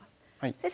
先生